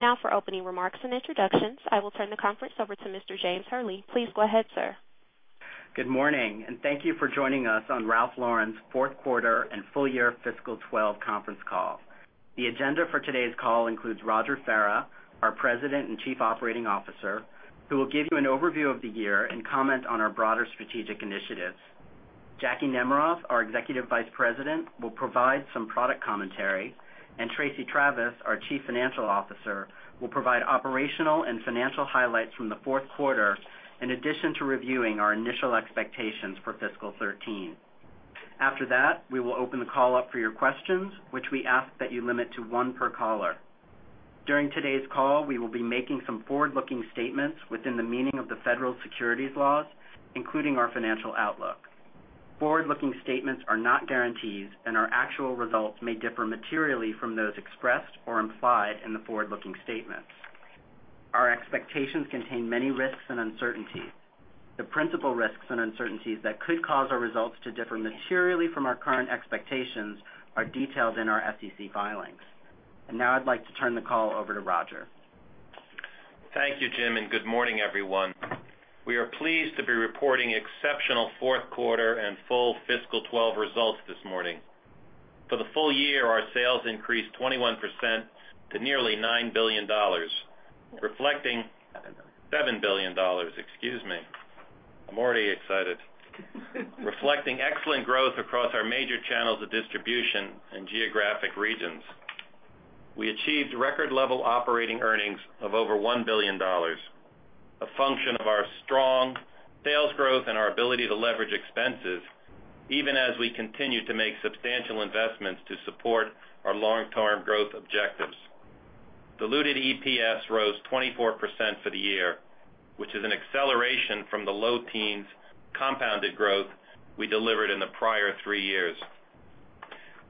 Now for opening remarks and introductions, I will turn the conference over to Mr. James Hurley. Please go ahead, sir. Good morning. Thank you for joining us on Ralph Lauren's fourth quarter and full year fiscal 2012 conference call. The agenda for today's call includes Roger Farah, our President and Chief Operating Officer, who will give you an overview of the year and comment on our broader strategic initiatives. Jackwyn Nemerov, our Executive Vice President, will provide some product commentary, and Tracey Travis, our Chief Financial Officer, will provide operational and financial highlights from the fourth quarter, in addition to reviewing our initial expectations for fiscal 2013. After that, we will open the call up for your questions, which we ask that you limit to one per caller. During today's call, we will be making some forward-looking statements within the meaning of the federal securities laws, including our financial outlook. Forward-looking statements are not guarantees. Our actual results may differ materially from those expressed or implied in the forward-looking statements. Our expectations contain many risks and uncertainties. The principal risks and uncertainties that could cause our results to differ materially from our current expectations are detailed in our SEC filings. Now I'd like to turn the call over to Roger. Thank you, Jim. Good morning, everyone. We are pleased to be reporting exceptional fourth quarter and full fiscal 2012 results this morning. For the full year, our sales increased 21% to nearly $9 billion. $7 billion. $7 billion, excuse me. I'm already excited. Reflecting excellent growth across our major channels of distribution and geographic regions. We achieved record level operating earnings of over $1 billion, a function of our strong sales growth and our ability to leverage expenses, even as we continue to make substantial investments to support our long-term growth objectives. Diluted EPS rose 24% for the year, which is an acceleration from the low teens compounded growth we delivered in the prior three years.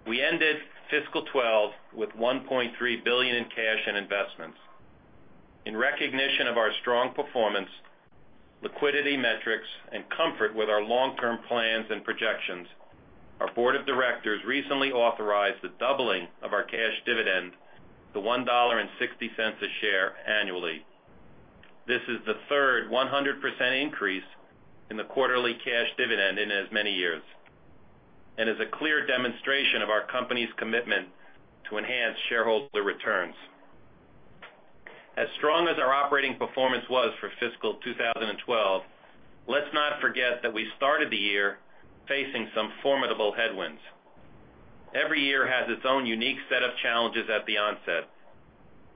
We ended fiscal 2012 with $1.3 billion in cash and investments. In recognition of our strong performance, liquidity metrics, and comfort with our long-term plans and projections, our board of directors recently authorized the doubling of our cash dividend to $1.60 a share annually. This is the third 100% increase in the quarterly cash dividend in as many years, and is a clear demonstration of our company's commitment to enhance shareholder returns. As strong as our operating performance was for fiscal 2012, let's not forget that we started the year facing some formidable headwinds. Every year has its own unique set of challenges at the onset.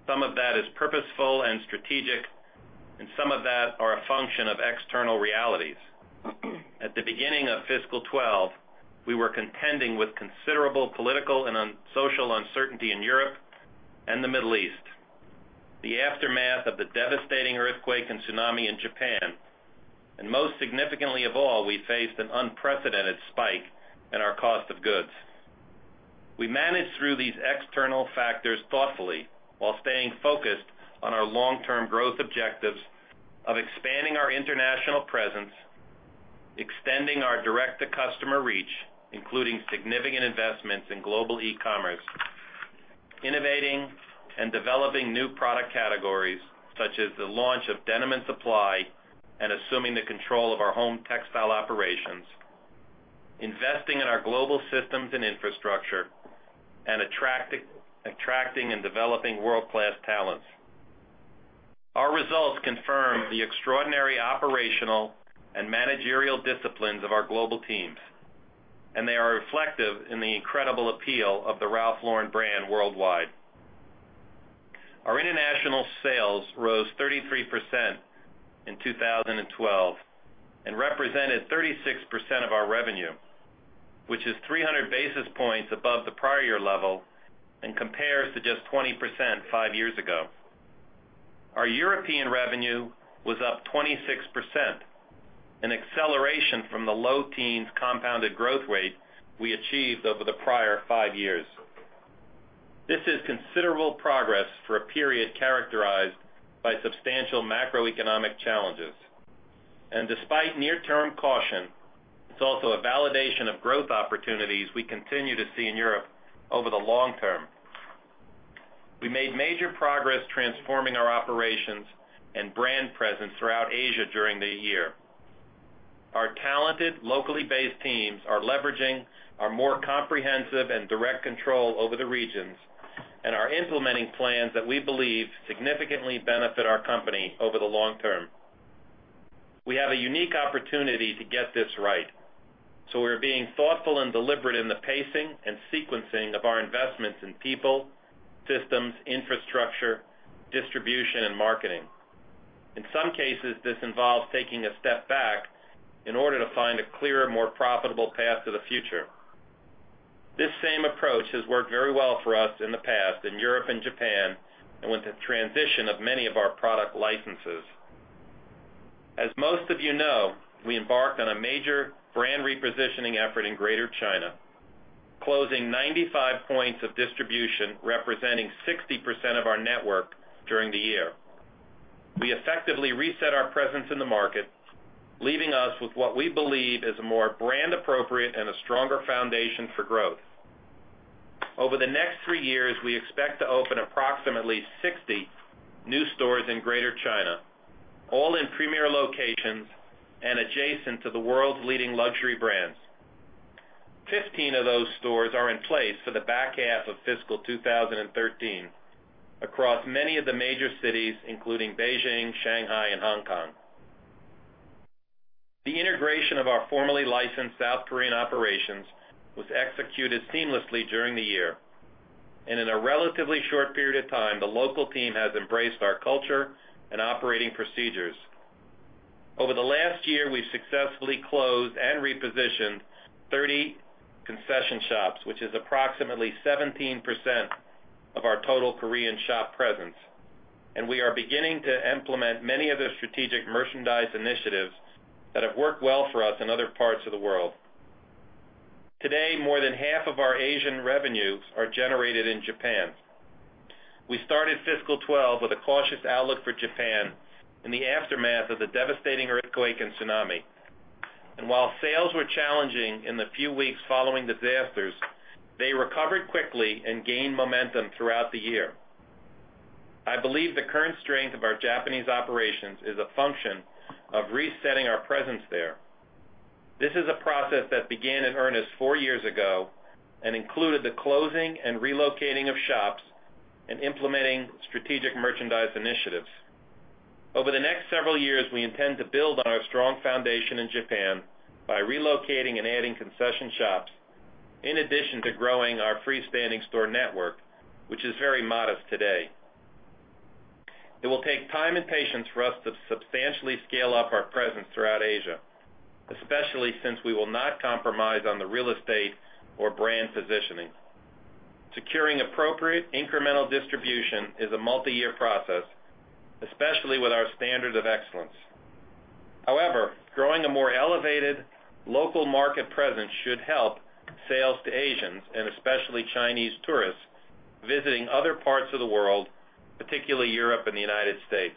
Some of that is purposeful and strategic, and some of that are a function of external realities. At the beginning of fiscal 2012, we were contending with considerable political and social uncertainty in Europe and the Middle East, the aftermath of the devastating earthquake and tsunami in Japan, and most significantly of all, we faced an unprecedented spike in our cost of goods. We managed through these external factors thoughtfully while staying focused on our long-term growth objectives of expanding our international presence, extending our direct-to-customer reach, including significant investments in global e-commerce, innovating and developing new product categories, such as the launch of Denim & Supply and assuming the control of our home textile operations, investing in our global systems and infrastructure, and attracting and developing world-class talents. Our results confirm the extraordinary operational and managerial disciplines of our global teams, and they are reflective in the incredible appeal of the Ralph Lauren brand worldwide. Our international sales rose 33% in 2012 and represented 36% of our revenue, which is 300 basis points above the prior year level and compares to just 20% five years ago. Our European revenue was up 26%, an acceleration from the low teens compounded growth rate we achieved over the prior five years. This is considerable progress for a period characterized by substantial macroeconomic challenges. Despite near-term caution, it's also a validation of growth opportunities we continue to see in Europe over the long term. We made major progress transforming our operations and brand presence throughout Asia during the year. Our talented locally-based teams are leveraging our more comprehensive and direct control over the regions and are implementing plans that we believe significantly benefit our company over the long term. We have a unique opportunity to get this right, so we're being thoughtful and deliberate in the pacing and sequencing of our investments in people, systems, infrastructure, distribution, and marketing. In some cases, this involves taking a step back in order to find a clearer, more profitable path to the future. This same approach has worked very well for us in the past in Europe and Japan and with the transition of many of our product licenses. As most of you know, we embarked on a major brand repositioning effort in Greater China, closing 95 points of distribution representing 60% of our network during the year. We effectively reset our presence in the market, leaving us with what we believe is a more brand-appropriate and a stronger foundation for growth. Over the next three years, we expect to open approximately 60 new stores in Greater China, all in premier locations and adjacent to the world's leading luxury brands. 15 of those stores are in place for the back half of fiscal 2013 across many of the major cities, including Beijing, Shanghai, and Hong Kong. The integration of our formerly licensed South Korean operations was executed seamlessly during the year. In a relatively short period of time, the local team has embraced our culture and operating procedures. Over the last year, we've successfully closed and repositioned 30 concession shops, which is approximately 17% of our total Korean shop presence, and we are beginning to implement many of the strategic merchandise initiatives that have worked well for us in other parts of the world. Today, more than half of our Asian revenues are generated in Japan. We started fiscal 2012 with a cautious outlook for Japan in the aftermath of the devastating earthquake and tsunami. While sales were challenging in the few weeks following disasters, they recovered quickly and gained momentum throughout the year. I believe the current strength of our Japanese operations is a function of resetting our presence there. This is a process that began in earnest 4 years ago and included the closing and relocating of shops and implementing strategic merchandise initiatives. Over the next several years, we intend to build on our strong foundation in Japan by relocating and adding concession shops, in addition to growing our freestanding store network, which is very modest today. It will take time and patience for us to substantially scale up our presence throughout Asia, especially since we will not compromise on the real estate or brand positioning. Securing appropriate incremental distribution is a multi-year process, especially with our standard of excellence. However, growing a more elevated local market presence should help sales to Asians, and especially Chinese tourists visiting other parts of the world, particularly Europe and the U.S.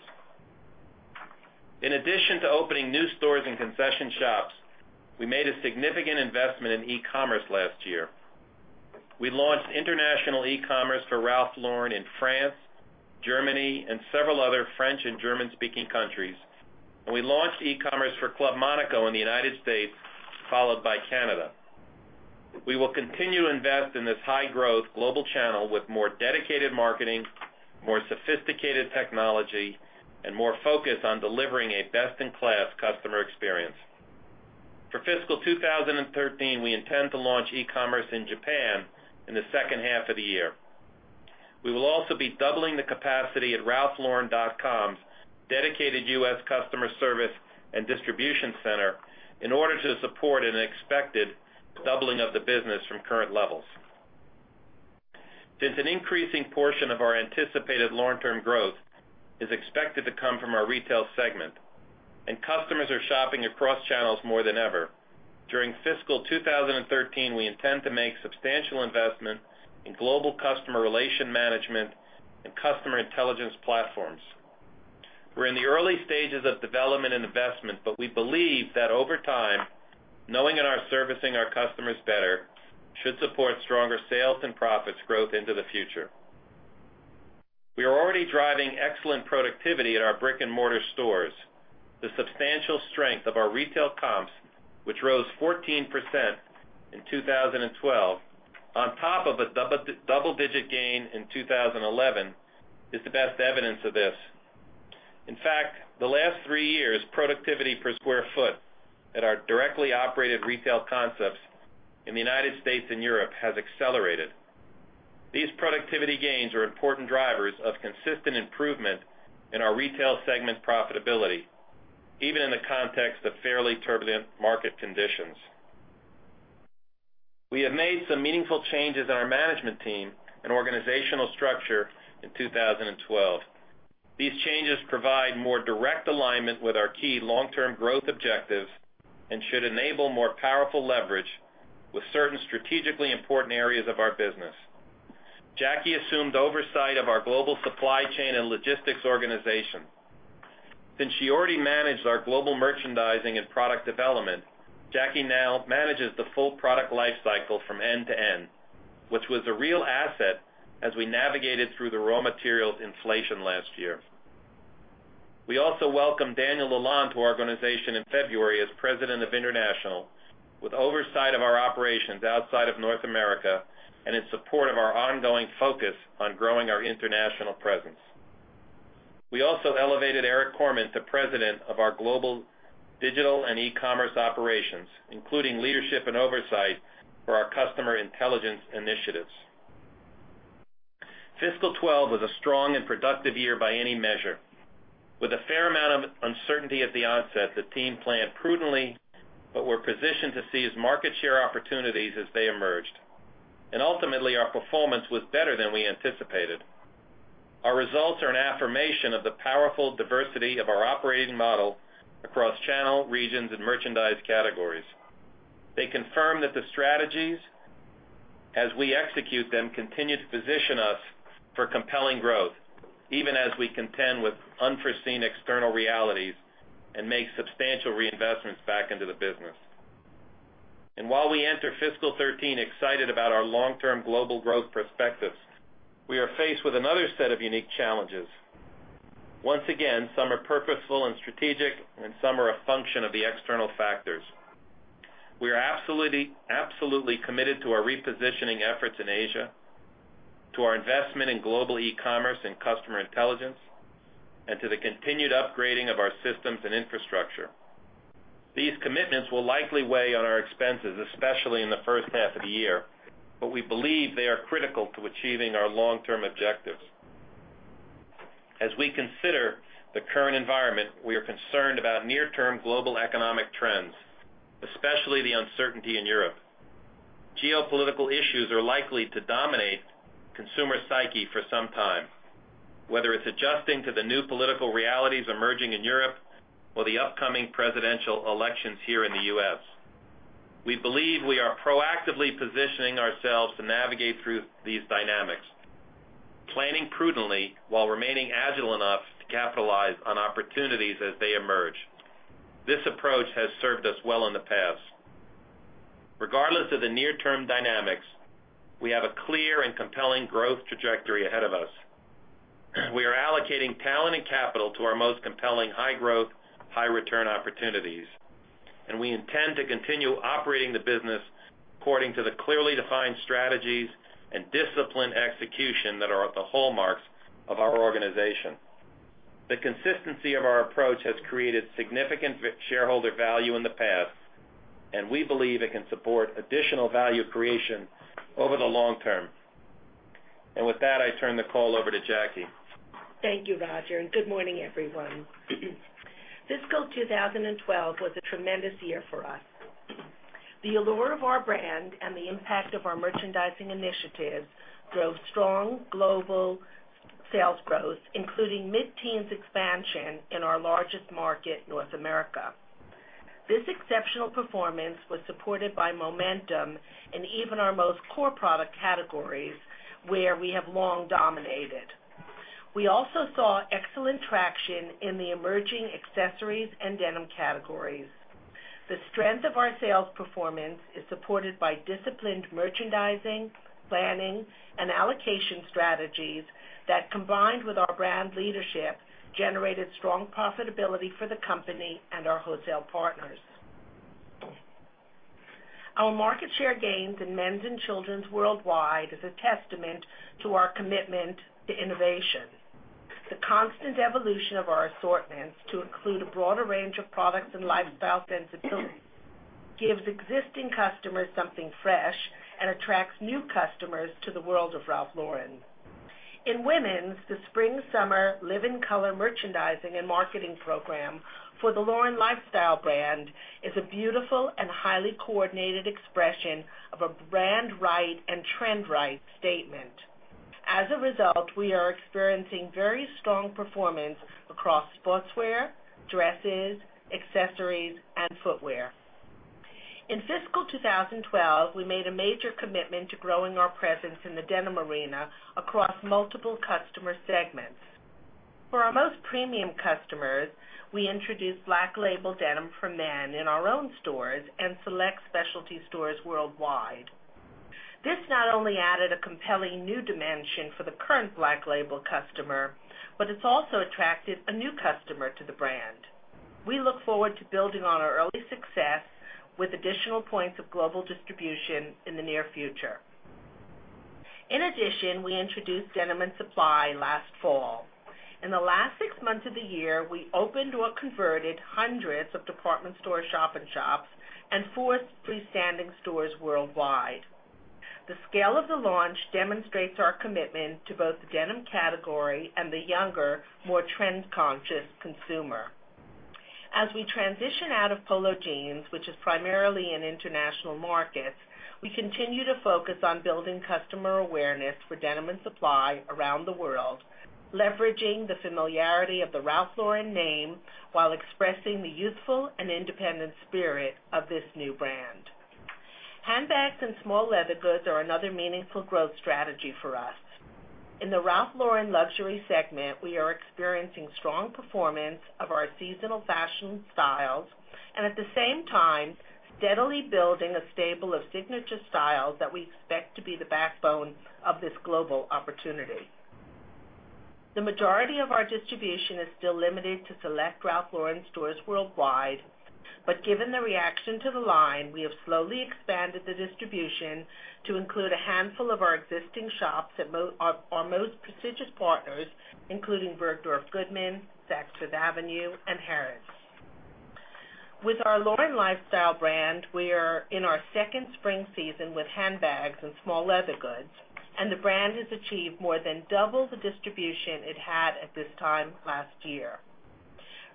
In addition to opening new stores and concession shops, we made a significant investment in e-commerce last year. We launched international e-commerce for Ralph Lauren in France, Germany, and several other French and German-speaking countries. We launched e-commerce for Club Monaco in the U.S., followed by Canada. We will continue to invest in this high-growth global channel with more dedicated marketing, more sophisticated technology, and more focus on delivering a best-in-class customer experience. For fiscal 2013, we intend to launch e-commerce in Japan in the second half of the year. We will also be doubling the capacity at ralphlauren.com's dedicated U.S. customer service and distribution center in order to support an expected doubling of the business from current levels. Since an increasing portion of our anticipated long-term growth is expected to come from our retail segment, and customers are shopping across channels more than ever, during fiscal 2013, we intend to make substantial investment in global customer relation management and customer intelligence platforms. We're in the early stages of development and investment. We believe that over time, knowing and servicing our customers better should support stronger sales and profits growth into the future. We are already driving excellent productivity at our brick-and-mortar stores. The substantial strength of our retail comps, which rose 14% in 2012, on top of a double-digit gain in 2011, is the best evidence of this. In fact, the last three years, productivity per square foot at our directly operated retail concepts in the U.S. and Europe has accelerated. These productivity gains are important drivers of consistent improvement in our retail segment profitability, even in the context of fairly turbulent market conditions. We have made some meaningful changes in our management team and organizational structure in 2012. These changes provide more direct alignment with our key long-term growth objectives and should enable more powerful leverage with certain strategically important areas of our business. Jackie assumed oversight of our global supply chain and logistics organization. Since she already managed our global merchandising and product development, Jackie now manages the full product life cycle from end to end, which was a real asset as we navigated through the raw materials inflation last year. We also welcomed Daniel Lalonde to our organization in February as president of international, with oversight of our operations outside of North America and in support of our ongoing focus on growing our international presence. We also elevated Eric Korman to president of our global digital and e-commerce operations, including leadership and oversight for our customer intelligence initiatives. Fiscal 2012 was a strong and productive year by any measure. With a fair amount of uncertainty at the onset, the team planned prudently but were positioned to seize market share opportunities as they emerged. Ultimately, our performance was better than we anticipated. Our results are an affirmation of the powerful diversity of our operating model across channel, regions, and merchandise categories. They confirm that the strategies as we execute them, continue to position us for compelling growth, even as we contend with unforeseen external realities and make substantial reinvestments back into the business. While we enter fiscal 2013 excited about our long-term global growth perspectives, we are faced with another set of unique challenges. Once again, some are purposeful and strategic, and some are a function of the external factors. We are absolutely committed to our repositioning efforts in Asia, to our investment in global e-commerce and customer intelligence, and to the continued upgrading of our systems and infrastructure. These commitments will likely weigh on our expenses, especially in the first half of the year, but we believe they are critical to achieving our long-term objectives. As we consider the current environment, we are concerned about near-term global economic trends, especially the uncertainty in Europe. Geopolitical issues are likely to dominate consumer psyche for some time, whether it's adjusting to the new political realities emerging in Europe or the upcoming presidential elections here in the U.S. We believe we are proactively positioning ourselves to navigate through these dynamics, planning prudently while remaining agile enough to capitalize on opportunities as they emerge. This approach has served us well in the past. Regardless of the near-term dynamics, we have a clear and compelling growth trajectory ahead of us. We are allocating talent and capital to our most compelling high-growth, high-return opportunities, and we intend to continue operating the business according to the clearly defined strategies and disciplined execution that are the hallmarks of our organization. The consistency of our approach has created significant shareholder value in the past, and we believe it can support additional value creation over the long term. With that, I turn the call over to Jackie. Thank you, Roger, good morning, everyone. Fiscal 2012 was a tremendous year for us. The allure of our brand and the impact of our merchandising initiatives drove strong global sales growth, including mid-teens expansion in our largest market, North America. This exceptional performance was supported by momentum in even our most core product categories, where we have long dominated. We also saw excellent traction in the emerging accessories and denim categories. The strength of our sales performance is supported by disciplined merchandising, planning, and allocation strategies that, combined with our brand leadership, generated strong profitability for the company and our wholesale partners. Our market share gains in men's and children's worldwide is a testament to our commitment to innovation. The constant evolution of our assortments to include a broader range of products and lifestyle sensibilities gives existing customers something fresh and attracts new customers to the world of Ralph Lauren. In women's, the spring-summer Live in Color merchandising and marketing program for the Lauren Lifestyle brand is a beautiful and highly coordinated expression of a brand right and trend right statement. As a result, we are experiencing very strong performance across sportswear, dresses, accessories, and footwear. In fiscal 2012, we made a major commitment to growing our presence in the denim arena across multiple customer segments. For our most premium customers, we introduced Black Label denim for men in our own stores and select specialty stores worldwide. This not only added a compelling new dimension for the current Black Label customer, but it's also attracted a new customer to the brand. We look forward to building on our early success with additional points of global distribution in the near future. In addition, we introduced Denim & Supply last fall. In the last six months of the year, we opened or converted hundreds of department store shop-in-shops and four freestanding stores worldwide. The scale of the launch demonstrates our commitment to both the denim category and the younger, more trend-conscious consumer. As we transition out of Polo Jeans, which is primarily in international markets, we continue to focus on building customer awareness for Denim & Supply around the world, leveraging the familiarity of the Ralph Lauren name while expressing the youthful and independent spirit of this new brand. Handbags and small leather goods are another meaningful growth strategy for us. In the Ralph Lauren luxury segment, we are experiencing strong performance of our seasonal fashion styles and, at the same time, steadily building a stable of signature styles that we expect to be the backbone of this global opportunity. The majority of our distribution is still limited to select Ralph Lauren stores worldwide, given the reaction to the line, we have slowly expanded the distribution to include a handful of our existing shops at our most prestigious partners, including Bergdorf Goodman, Saks Fifth Avenue, and Harrods. With our Lauren Lifestyle brand, we are in our second spring season with handbags and small leather goods, the brand has achieved more than double the distribution it had at this time last year.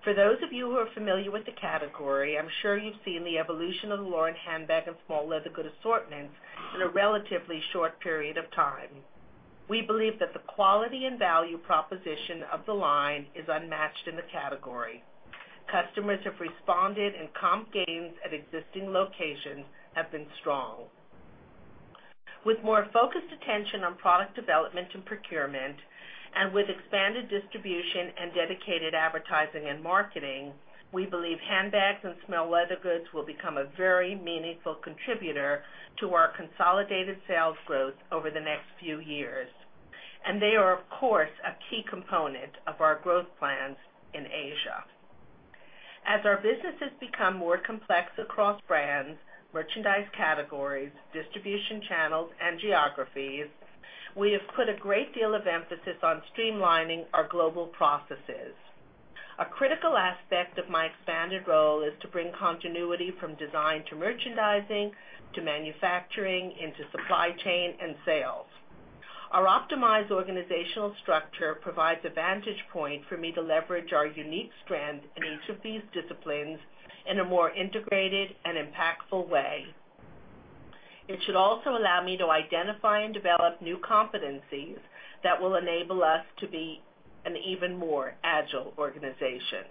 For those of you who are familiar with the category, I'm sure you've seen the evolution of the Lauren handbag and small leather good assortments in a relatively short period of time. We believe that the quality and value proposition of the line is unmatched in the category. Customers have responded, comp gains at existing locations have been strong. With more focused attention on product development and procurement, with expanded distribution and dedicated advertising and marketing, we believe handbags and small leather goods will become a very meaningful contributor to our consolidated sales growth over the next few years. They are, of course, a key component of our growth plans in Asia. As our businesses become more complex across brands, merchandise categories, distribution channels, and geographies, we have put a great deal of emphasis on streamlining our global processes. A critical aspect of my expanded role is to bring continuity from design to merchandising, to manufacturing, into supply chain and sales. Our optimized organizational structure provides a vantage point for me to leverage our unique strengths in each of these disciplines in a more integrated and impactful way. It should also allow me to identify and develop new competencies that will enable us to be an even more agile organization.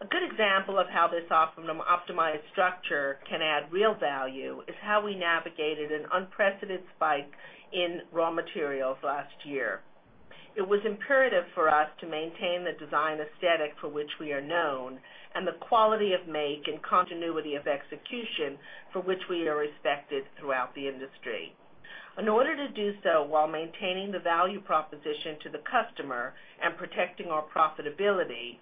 A good example of how this optimized structure can add real value is how we navigated an unprecedented spike in raw materials last year. It was imperative for us to maintain the design aesthetic for which we are known, and the quality of make and continuity of execution for which we are respected throughout the industry. In order to do so while maintaining the value proposition to the customer and protecting our profitability,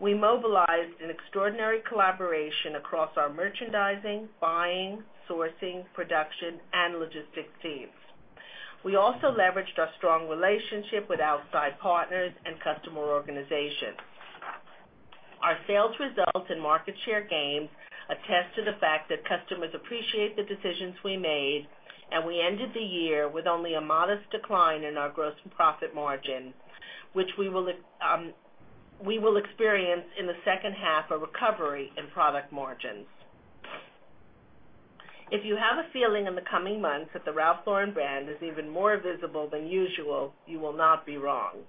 we mobilized an extraordinary collaboration across our merchandising, buying, sourcing, production, and logistics teams. We also leveraged our strong relationship with outside partners and customer organizations. Our sales results and market share gains attest to the fact that customers appreciate the decisions we made, and we ended the year with only a modest decline in our gross profit margin, which we will experience in the second half, a recovery in product margins. If you have a feeling in the coming months that the Ralph Lauren brand is even more visible than usual, you will not be wrong.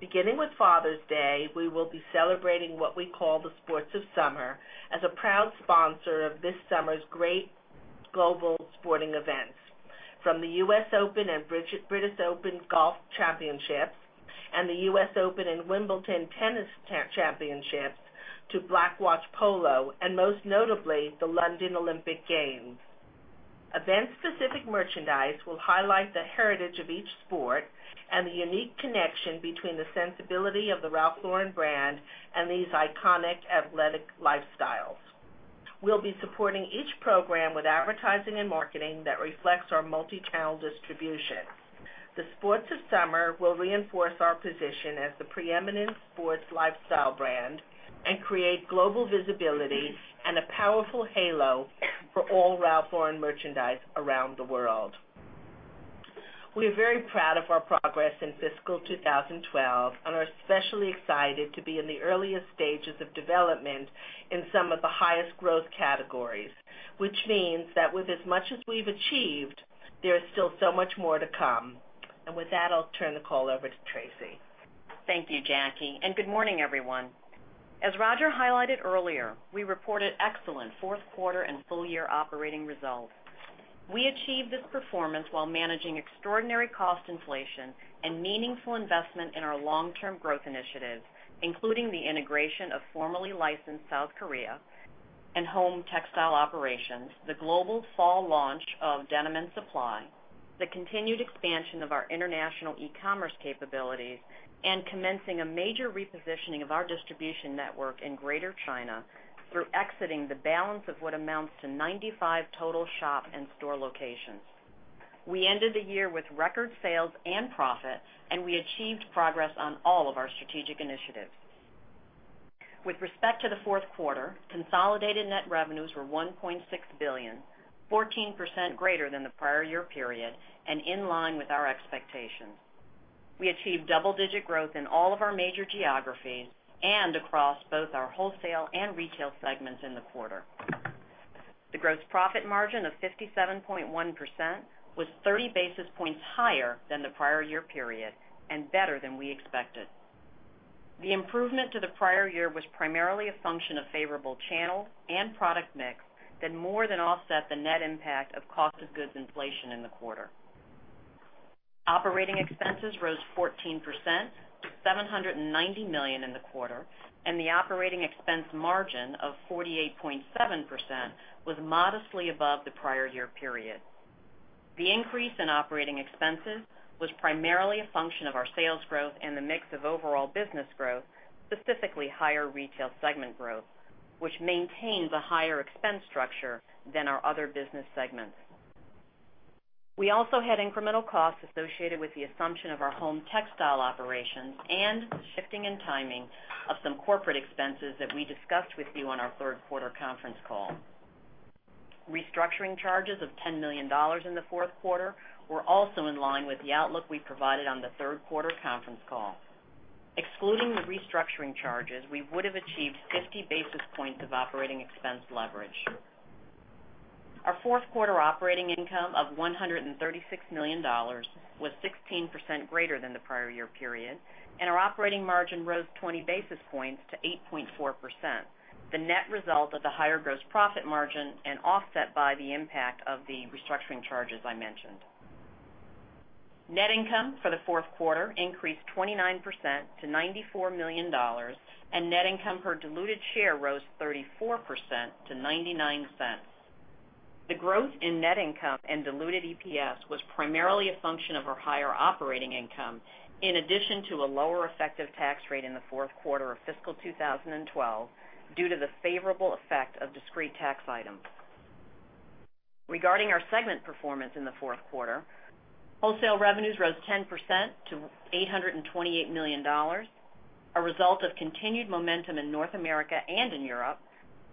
Beginning with Father's Day, we will be celebrating what we call the Sports of Summer as a proud sponsor of this summer's great global sporting events, from the U.S. Open and British Open Golf Championships, and the U.S. Open and Wimbledon Tennis Championships, to Black Watch Polo, and most notably, the London Olympic Games. Event-specific merchandise will highlight the heritage of each sport and the unique connection between the sensibility of the Ralph Lauren brand and these iconic athletic lifestyles. We'll be supporting each program with advertising and marketing that reflects our multi-channel distribution. The Sports of Summer will reinforce our position as the preeminent sports lifestyle brand and create global visibility and a powerful halo for all Ralph Lauren merchandise around the world. We are very proud of our progress in fiscal 2012 and are especially excited to be in the earliest stages of development in some of the highest growth categories, which means that with as much as we've achieved, there is still so much more to come. With that, I'll turn the call over to Tracey. Thank you, Jackie, good morning, everyone. As Roger highlighted earlier, we reported excellent fourth quarter and full-year operating results. We achieved this performance while managing extraordinary cost inflation and meaningful investment in our long-term growth initiatives, including the integration of formerly licensed South Korea and home textile operations, the global fall launch of Denim & Supply, the continued expansion of our international e-commerce capabilities, commencing a major repositioning of our distribution network in Greater China through exiting the balance of what amounts to 95 total shop and store locations. We ended the year with record sales and profit, we achieved progress on all of our strategic initiatives. With respect to the fourth quarter, consolidated net revenues were $1.6 billion, 14% greater than the prior year period and in line with our expectations. We achieved double-digit growth in all of our major geographies and across both our wholesale and retail segments in the quarter. The gross profit margin of 57.1% was 30 basis points higher than the prior year period and better than we expected. The improvement to the prior year was primarily a function of favorable channel and product mix that more than offset the net impact of cost of goods inflation in the quarter. Operating expenses rose 14% to $790 million in the quarter, and the operating expense margin of 48.7% was modestly above the prior year period. The increase in operating expenses was primarily a function of our sales growth and the mix of overall business growth, specifically higher retail segment growth, which maintains a higher expense structure than our other business segments. We also had incremental costs associated with the assumption of our home textile operations and shifting and timing of some corporate expenses that we discussed with you on our third quarter conference call. Restructuring charges of $10 million in the fourth quarter were also in line with the outlook we provided on the third quarter conference call. Excluding the restructuring charges, we would have achieved 50 basis points of operating expense leverage. Our fourth quarter operating income of $136 million was 16% greater than the prior year period, and our operating margin rose 20 basis points to 8.4%. The net result of the higher gross profit margin and offset by the impact of the restructuring charges I mentioned. Net income for the fourth quarter increased 29% to $94 million, and net income per diluted share rose 34% to $0.99. The growth in net income and diluted EPS was primarily a function of our higher operating income, in addition to a lower effective tax rate in the fourth quarter of fiscal 2012 due to the favorable effect of discrete tax items. Regarding our segment performance in the fourth quarter, wholesale revenues rose 10% to $828 million, a result of continued momentum in North America and in Europe,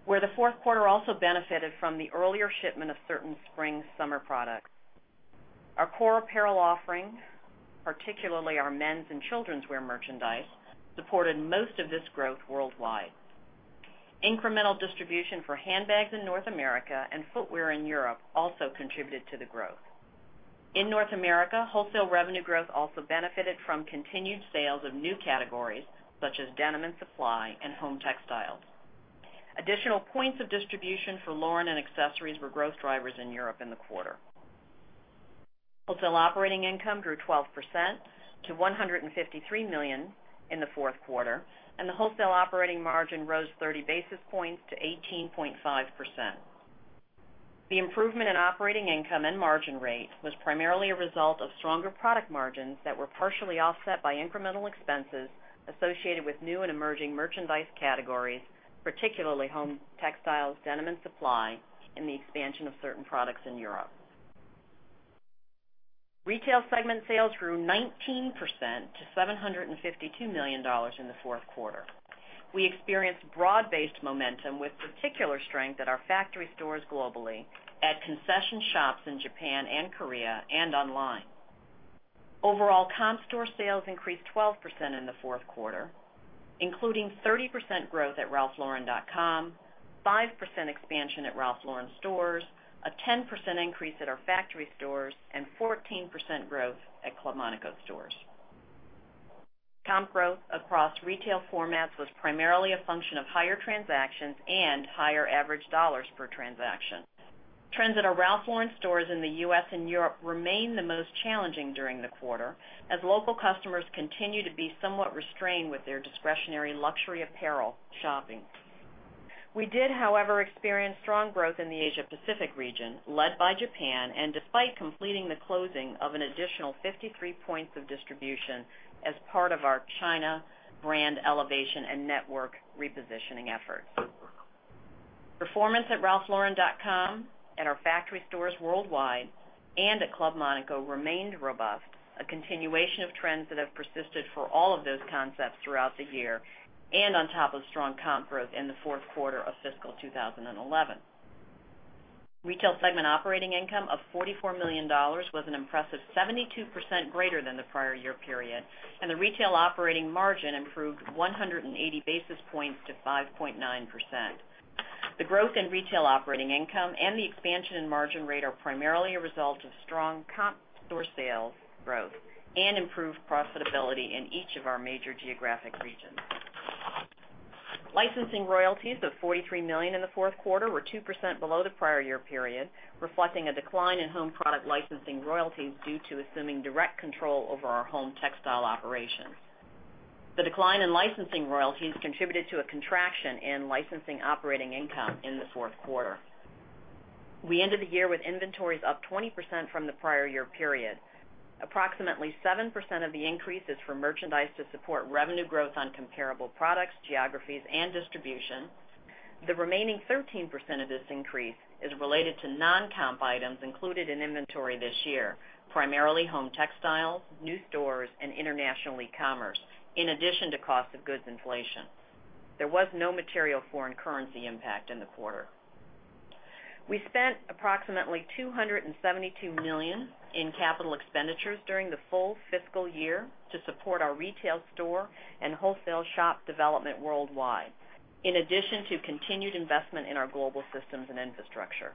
where the fourth quarter also benefited from the earlier shipment of certain spring/summer products. Our core apparel offerings, particularly our men's and children's wear merchandise, supported most of this growth worldwide. Incremental distribution for handbags in North America and footwear in Europe also contributed to the growth. In North America, wholesale revenue growth also benefited from continued sales of new categories, such as Denim & Supply, and home textiles. Additional points of distribution for Lauren and accessories were growth drivers in Europe in the quarter. Wholesale operating income grew 12% to $153 million in the fourth quarter, and the wholesale operating margin rose 30 basis points to 18.5%. The improvement in operating income and margin rate was primarily a result of stronger product margins that were partially offset by incremental expenses associated with new and emerging merchandise categories, particularly home textiles, Denim & Supply, and the expansion of certain products in Europe. Retail segment sales grew 19% to $752 million in the fourth quarter. We experienced broad-based momentum with particular strength at our factory stores globally, at concession shops in Japan and Korea, and online. Overall, comp store sales increased 12% in the fourth quarter, including 30% growth at ralphlauren.com, 5% expansion at Ralph Lauren stores, a 10% increase at our factory stores, and 14% growth at Club Monaco stores. Comp growth across retail formats was primarily a function of higher transactions and higher average dollars per transaction. Trends at our Ralph Lauren stores in the U.S. and Europe remained the most challenging during the quarter, as local customers continued to be somewhat restrained with their discretionary luxury apparel shopping. We did, however, experience strong growth in the Asia Pacific region, led by Japan, and despite completing the closing of an additional 53 points of distribution as part of our China brand elevation and network repositioning effort. Performance at ralphlauren.com and our factory stores worldwide and at Club Monaco remained robust, a continuation of trends that have persisted for all of those concepts throughout the year, and on top of strong comp growth in the fourth quarter of fiscal 2011. Retail segment operating income of $44 million was an impressive 72% greater than the prior year period, and the retail operating margin improved 180 basis points to 5.9%. The growth in retail operating income and the expansion in margin rate are primarily a result of strong comp store sales growth and improved profitability in each of our major geographic regions. Licensing royalties of $43 million in the fourth quarter were 2% below the prior year period, reflecting a decline in home product licensing royalties due to assuming direct control over our home textile operations. The decline in licensing royalties contributed to a contraction in licensing operating income in the fourth quarter. We ended the year with inventories up 20% from the prior year period. Approximately 7% of the increase is for merchandise to support revenue growth on comparable products, geographies, and distribution. The remaining 13% of this increase is related to non-comp items included in inventory this year, primarily home textiles, new stores, and international e-commerce, in addition to cost of goods inflation. There was no material foreign currency impact in the quarter. We spent approximately $272 million in capital expenditures during the full fiscal year to support our retail store and wholesale shop development worldwide, in addition to continued investment in our global systems and infrastructure.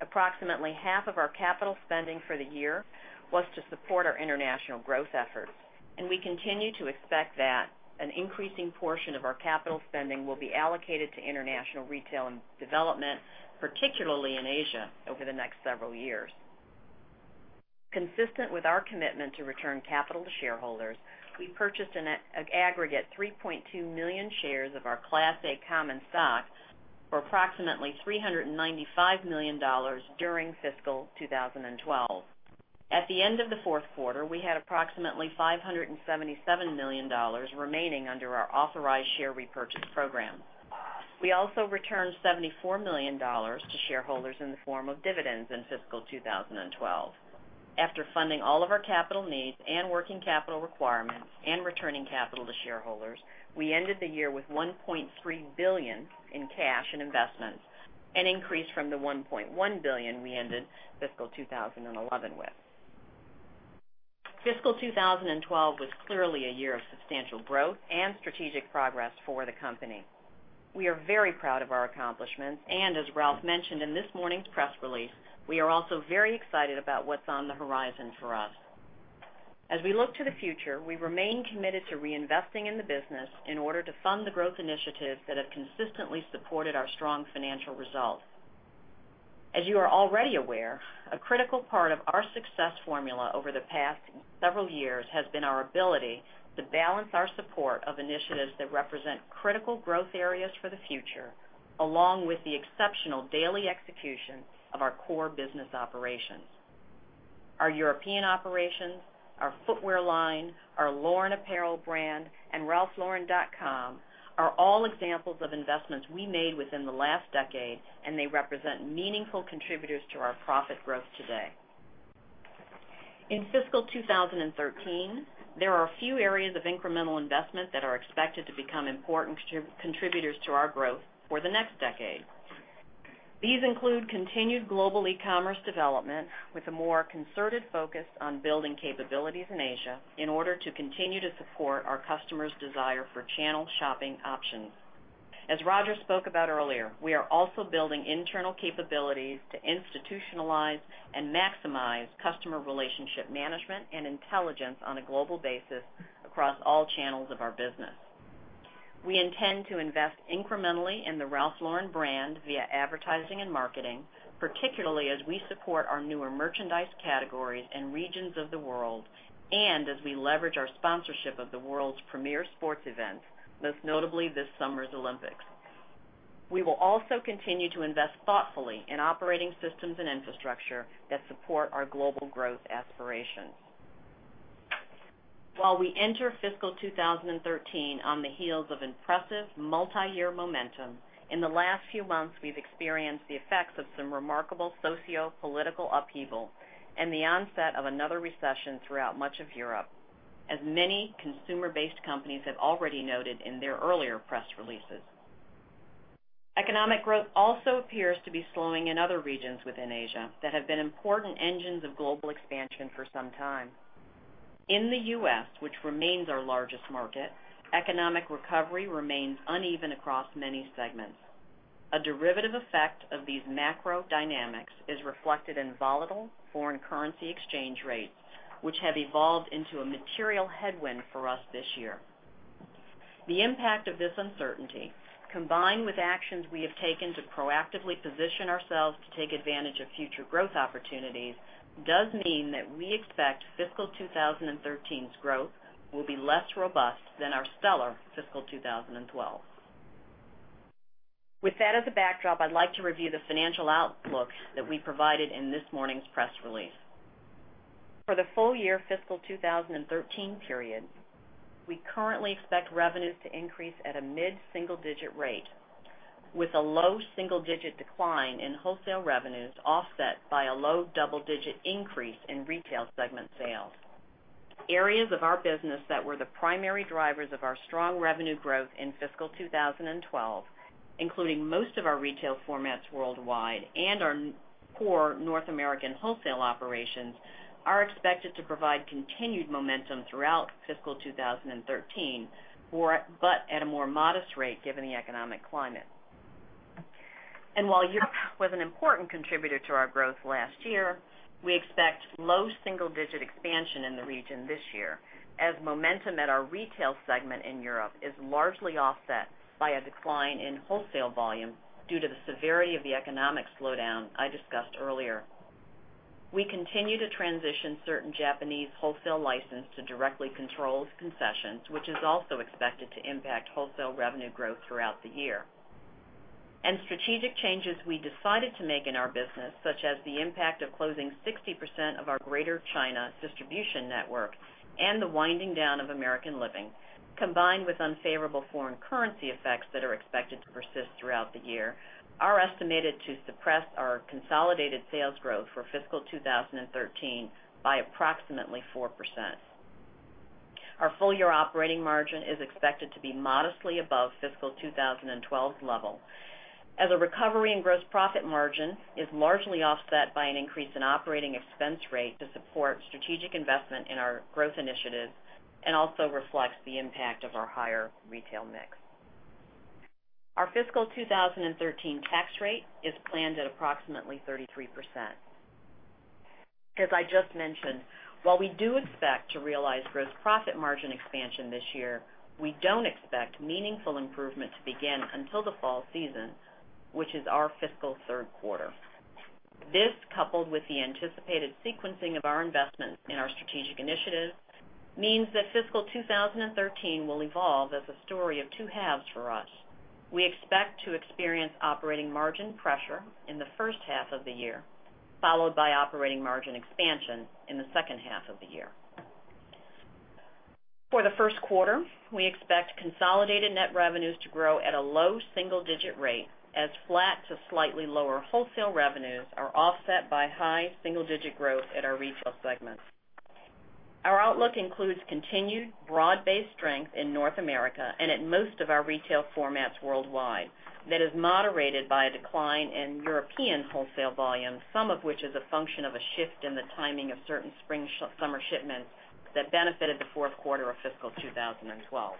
Approximately half of our capital spending for the year was to support our international growth efforts, and we continue to expect that an increasing portion of our capital spending will be allocated to international retail and development, particularly in Asia, over the next several years. Consistent with our commitment to return capital to shareholders, we purchased an aggregate 3.2 million shares of our Class A common stock for approximately $395 million during fiscal 2012. At the end of the fourth quarter, we had approximately $577 million remaining under our authorized share repurchase program. We also returned $74 million to shareholders in the form of dividends in fiscal 2012. After funding all of our capital needs and working capital requirements and returning capital to shareholders, we ended the year with $1.3 billion in cash and investments, an increase from the $1.1 billion we ended fiscal 2011 with. Fiscal 2012 was clearly a year of substantial growth and strategic progress for the company. We are very proud of our accomplishments, as Ralph mentioned in this morning's press release, we are also very excited about what's on the horizon for us. As we look to the future, we remain committed to reinvesting in the business in order to fund the growth initiatives that have consistently supported our strong financial results. As you are already aware, a critical part of our success formula over the past several years has been our ability to balance our support of initiatives that represent critical growth areas for the future, along with the exceptional daily execution of our core business operations. Our European operations, our footwear line, our Lauren apparel brand, and ralphlauren.com are all examples of investments we made within the last decade. They represent meaningful contributors to our profit growth today. In fiscal 2013, there are a few areas of incremental investment that are expected to become important contributors to our growth for the next decade. These include continued global e-commerce development with a more concerted focus on building capabilities in Asia in order to continue to support our customers' desire for channel shopping options. As Roger spoke about earlier, we are also building internal capabilities to institutionalize and maximize customer relationship management and intelligence on a global basis across all channels of our business. We intend to invest incrementally in the Ralph Lauren brand via advertising and marketing, particularly as we support our newer merchandise categories and regions of the world. As we leverage our sponsorship of the world's premier sports events, most notably this summer's Olympics. We will also continue to invest thoughtfully in operating systems and infrastructure that support our global growth aspirations. While we enter fiscal 2013 on the heels of impressive multi-year momentum, in the last few months, we've experienced the effects of some remarkable sociopolitical upheaval and the onset of another recession throughout much of Europe, as many consumer-based companies have already noted in their earlier press releases. Economic growth also appears to be slowing in other regions within Asia that have been important engines of global expansion for some time. In the U.S., which remains our largest market, economic recovery remains uneven across many segments. A derivative effect of these macro dynamics is reflected in volatile foreign currency exchange rates, which have evolved into a material headwind for us this year. The impact of this uncertainty, combined with actions we have taken to proactively position ourselves to take advantage of future growth opportunities, does mean that we expect fiscal 2013's growth will be less robust than our stellar fiscal 2012. With that as a backdrop, I'd like to review the financial outlook that we provided in this morning's press release. For the full-year fiscal 2013 period, we currently expect revenues to increase at a mid-single-digit rate, with a low single-digit decline in wholesale revenues offset by a low-double-digit increase in retail segment sales. Areas of our business that were the primary drivers of our strong revenue growth in FY 2012, including most of our retail formats worldwide and our core North American wholesale operations, are expected to provide continued momentum throughout FY 2013, but at a more modest rate given the economic climate. While Europe was an important contributor to our growth last year, we expect low single-digit expansion in the region this year, as momentum at our retail segment in Europe is largely offset by a decline in wholesale volume due to the severity of the economic slowdown I discussed earlier. We continue to transition certain Japanese wholesale license to directly controlled concessions, which is also expected to impact wholesale revenue growth throughout the year. Strategic changes we decided to make in our business, such as the impact of closing 60% of our Greater China distribution network and the winding down of American Living, combined with unfavorable foreign currency effects that are expected to persist throughout the year, are estimated to suppress our consolidated sales growth for FY 2013 by approximately 4%. Our full-year operating margin is expected to be modestly above FY 2012's level, as a recovery in gross profit margin is largely offset by an increase in operating expense rate to support strategic investment in our growth initiatives and also reflects the impact of our higher retail mix. Our FY 2013 tax rate is planned at approximately 33%. As I just mentioned, while we do expect to realize gross profit margin expansion this year, we don't expect meaningful improvement to begin until the fall season, which is our fiscal third quarter. This, coupled with the anticipated sequencing of our investment in our strategic initiatives, means that FY 2013 will evolve as a story of two halves for us. We expect to experience operating margin pressure in the first half of the year, followed by operating margin expansion in the second half of the year. For the first quarter, we expect consolidated net revenues to grow at a low single-digit rate, as flat to slightly lower wholesale revenues are offset by high single-digit growth at our retail segment. Our outlook includes continued broad-based strength in North America and at most of our retail formats worldwide that is moderated by a decline in European wholesale volume, some of which is a function of a shift in the timing of certain spring-summer shipments that benefited the fourth quarter of FY 2012.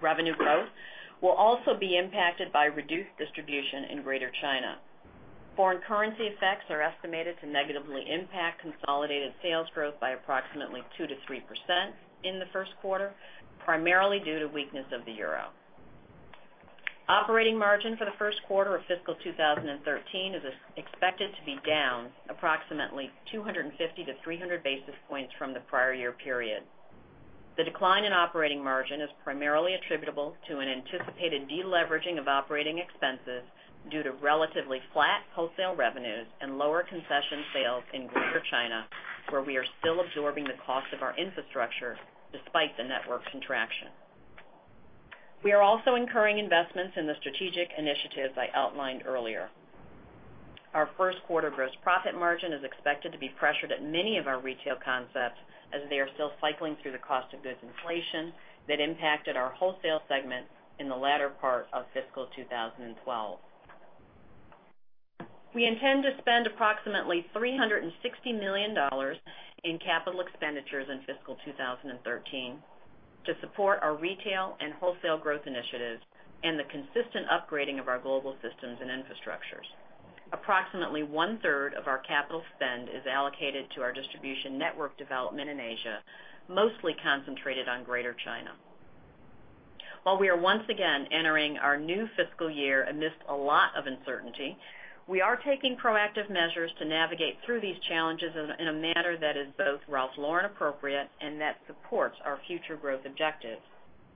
Revenue growth will also be impacted by reduced distribution in Greater China. Foreign currency effects are estimated to negatively impact consolidated sales growth by approximately 2%-3% in the first quarter, primarily due to weakness of the EUR. Operating margin for the first quarter of FY 2013 is expected to be down approximately 250 to 300 basis points from the prior year period. The decline in operating margin is primarily attributable to an anticipated de-leveraging of operating expenses due to relatively flat wholesale revenues and lower concession sales in Greater China, where we are still absorbing the cost of our infrastructure despite the network contraction. We are also incurring investments in the strategic initiatives I outlined earlier. Our first quarter gross profit margin is expected to be pressured at many of our retail concepts as they are still cycling through the cost of goods inflation that impacted our wholesale segment in the latter part of FY 2012. We intend to spend approximately $360 million in capital expenditures in fiscal 2013 to support our retail and wholesale growth initiatives and the consistent upgrading of our global systems and infrastructures. Approximately one-third of our capital spend is allocated to our distribution network development in Asia, mostly concentrated on Greater China. While we are once again entering our new fiscal year amidst a lot of uncertainty, we are taking proactive measures to navigate through these challenges in a manner that is both Ralph Lauren appropriate and that supports our future growth objectives.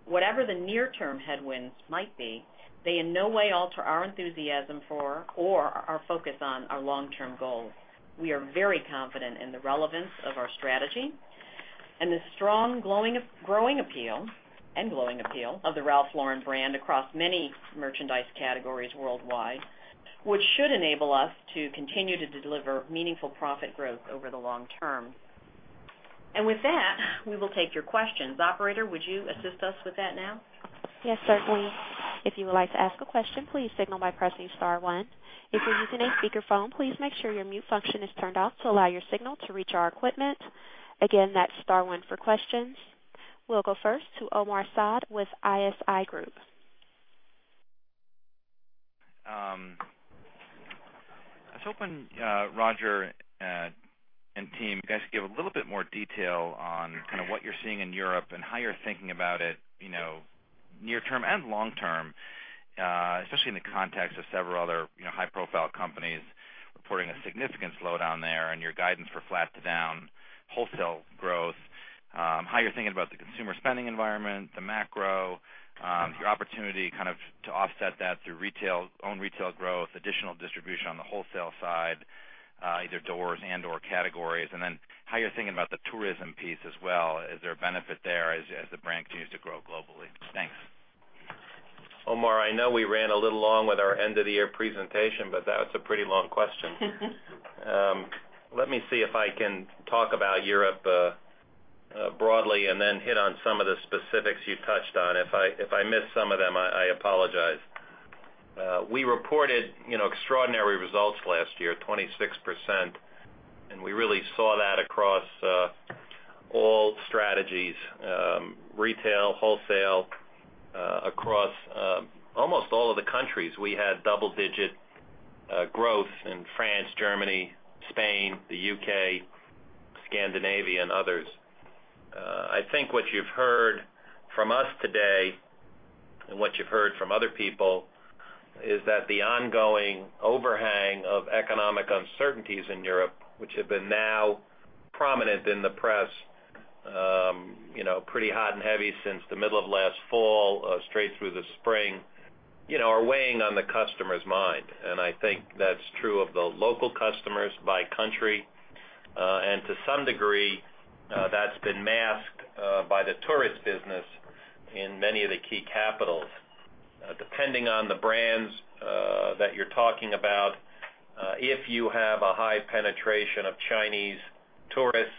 Whatever the near-term headwinds might be, they in no way alter our enthusiasm for, or our focus on, our long-term goals. We are very confident in the relevance of our strategy and the strong growing appeal and glowing appeal of the Ralph Lauren brand across many merchandise categories worldwide, which should enable us to continue to deliver meaningful profit growth over the long term. With that, we will take your questions. Operator, would you assist us with that now? Yes, certainly. If you would like to ask a question, please signal by pressing star one. If you are using a speakerphone, please make sure your mute function is turned off to allow your signal to reach our equipment. Again, that's star one for questions. We will go first to Omar Saad with ISI Group. I was hoping, Roger and team, you guys could give a little bit more detail on what you are seeing in Europe and how you are thinking about it, near-term and long-term, especially in the context of several other high-profile companies reporting a significant slowdown there and your guidance for flat to down wholesale growth, how you are thinking about the consumer spending environment, the macro, your opportunity to offset that through own retail growth, additional distribution on the wholesale side, either doors and/or categories, and then how you are thinking about the tourism piece as well. Is there a benefit there as the brand continues to grow globally? Thanks. Omar Saad, I know we ran a little long with our end-of-the-year presentation, but that's a pretty long question. Let me see if I can talk about Europe broadly and then hit on some of the specifics you touched on. If I miss some of them, I apologize. We reported extraordinary results last year, 26%, and we really saw that across all strategies, retail, wholesale, across almost all of the countries. We had double-digit growth in France, Germany, Spain, the U.K., Scandinavia, and others. I think what you've heard from us today, and what you've heard from other people, is that the ongoing overhang of economic uncertainties in Europe, which have been now prominent in the press, pretty hot and heavy since the middle of last fall, straight through the spring, are weighing on the customer's mind. I think that's true of the local customers by country. To some degree, that's been masked by the tourist business in many of the key capitals. Depending on the brands that you're talking about, if you have a high penetration of Chinese tourists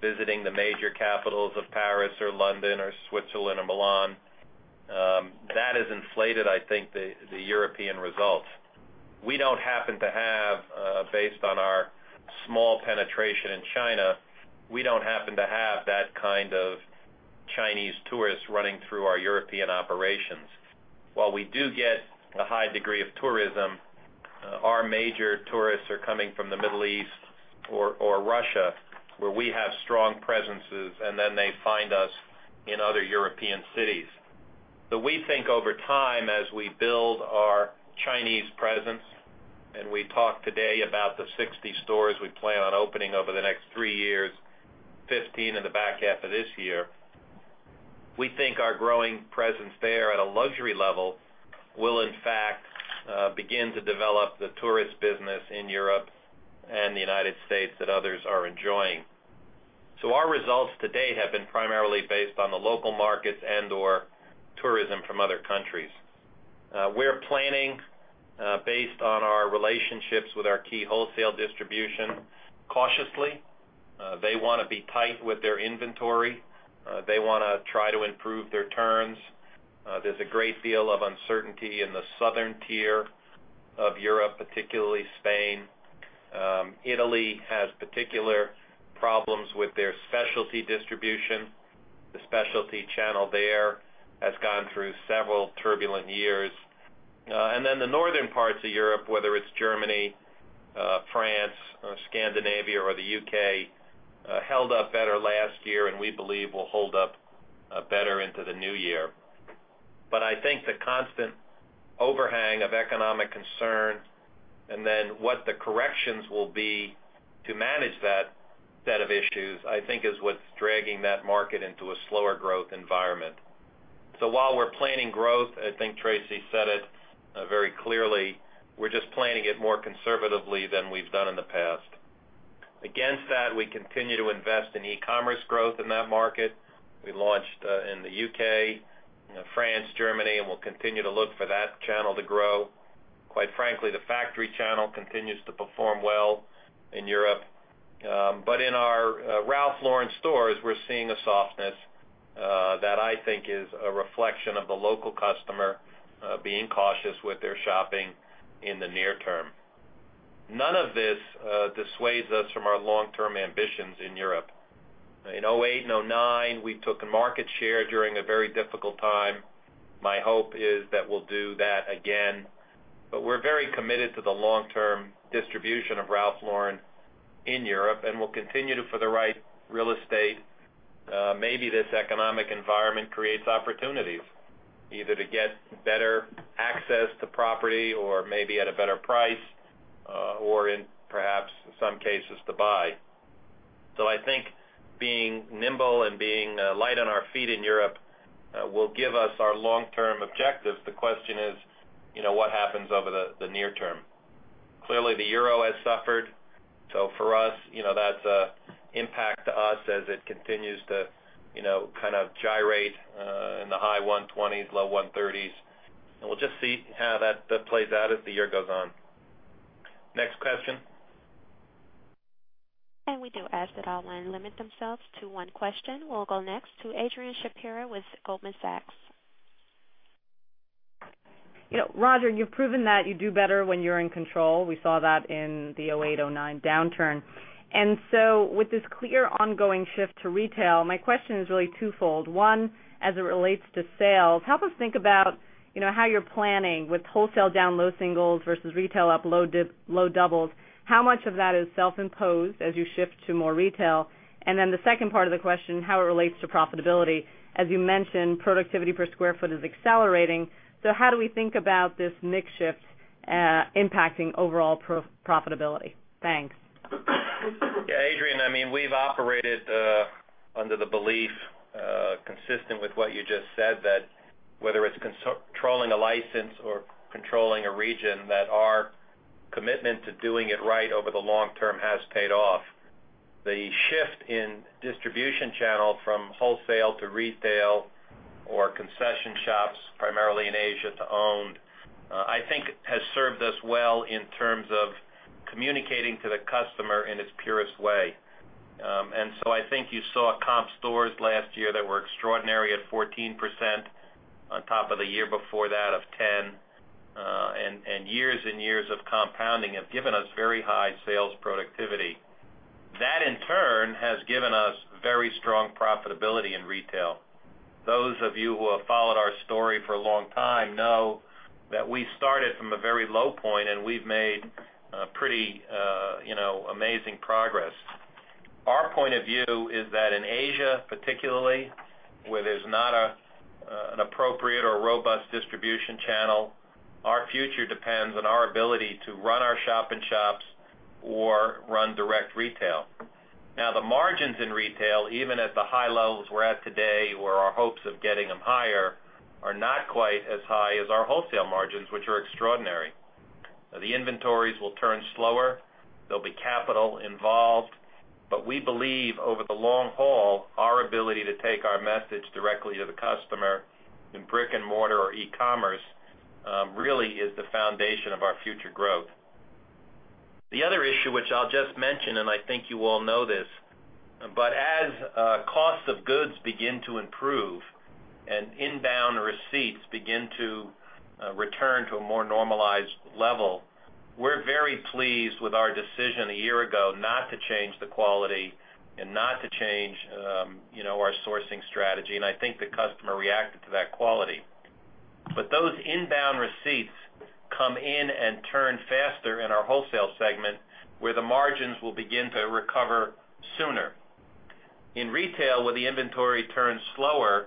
visiting the major capitals of Paris or London or Switzerland or Milan, that has inflated, I think, the European results. Based on our small penetration in China, we don't happen to have that kind of Chinese tourists running through our European operations. While we do get a high degree of tourism, our major tourists are coming from the Middle East or Russia, where we have strong presences, and then they find us in other European cities. We think over time, as we build our Chinese presence, and we talked today about the 60 stores we plan on opening over the next three years, 15 in the back half of this year, we think our growing presence there at a luxury level will in fact begin to develop the tourist business in Europe and the U.S. that others are enjoying. Our results to date have been primarily based on the local markets and/or tourism from other countries. We're planning based on our relationships with our key wholesale distribution cautiously. They want to be tight with their inventory. They want to try to improve their turns. There's a great deal of uncertainty in the southern tier Of Europe, particularly Spain. Italy has particular problems with their specialty distribution. The specialty channel there has gone through several turbulent years. Then the northern parts of Europe, whether it's Germany, France, Scandinavia, or the U.K., held up better last year, and we believe will hold up better into the new year. I think the constant overhang of economic concern, and then what the corrections will be to manage that set of issues, I think is what's dragging that market into a slower growth environment. While we're planning growth, I think Tracey Travis said it very clearly, we're just planning it more conservatively than we've done in the past. Against that, we continue to invest in e-commerce growth in that market. We launched in the U.K., France, Germany, and we'll continue to look for that channel to grow. Quite frankly, the factory channel continues to perform well in Europe. In our Ralph Lauren stores, we're seeing a softness that I think is a reflection of the local customer being cautious with their shopping in the near term. None of this dissuades us from our long-term ambitions in Europe. In 2008 and 2009, we took a market share during a very difficult time. My hope is that we'll do that again. We're very committed to the long-term distribution of Ralph Lauren in Europe, and we'll continue to for the right real estate. Maybe this economic environment creates opportunities, either to get better access to property or maybe at a better price, or in perhaps some cases to buy. I think being nimble and being light on our feet in Europe will give us our long-term objectives. The question is, what happens over the near term? Clearly, the euro has suffered. For us, that's a impact to us as it continues to gyrate in the high 120s, low 130s. We'll just see how that plays out as the year goes on. Next question. We do ask that all line limit themselves to one question. We'll go next to Adrianne Shapira with Goldman Sachs. Roger, you've proven that you do better when you're in control. We saw that in the 2008, 2009 downturn. With this clear ongoing shift to retail, my question is really twofold. One, as it relates to sales, help us think about how you're planning with wholesale down low singles versus retail up low doubles. How much of that is self-imposed as you shift to more retail? The second part of the question, how it relates to profitability. As you mentioned, productivity per square foot is accelerating. How do we think about this mix shift impacting overall profitability? Thanks. Yeah, Adrienne, we've operated under the belief, consistent with what you just said, that whether it's controlling a license or controlling a region, that our commitment to doing it right over the long term has paid off. The shift in distribution channel from wholesale to retail or concession shops, primarily in Asia, to owned I think has served us well in terms of communicating to the customer in its purest way. I think you saw comp stores last year that were extraordinary at 14% on top of the year before that of 10%. Years and years of compounding have given us very high sales productivity. That in turn has given us very strong profitability in retail. Those of you who have followed our story for a long time know that we started from a very low point, and we've made pretty amazing progress. Our point of view is that in Asia, particularly, where there's not an appropriate or robust distribution channel, our future depends on our ability to run our shop in shops or run direct retail. Now, the margins in retail, even at the high levels we're at today, where our hopes of getting them higher, are not quite as high as our wholesale margins, which are extraordinary. The inventories will turn slower. There'll be capital involved. We believe over the long haul, our ability to take our message directly to the customer in brick and mortar or e-commerce really is the foundation of our future growth. The other issue, which I'll just mention, I think you all know this, as cost of goods begin to improve and inbound receipts begin to return to a more normalized level, we're very pleased with our decision a year ago not to change the quality and not to change our sourcing strategy, and I think the customer reacted to that quality. Those inbound receipts come in and turn faster in our wholesale segment, where the margins will begin to recover sooner. In retail, where the inventory turns slower,